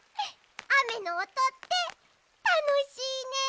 あめのおとってたのしいね。